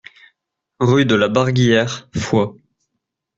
Rue de la Barguillère, Foix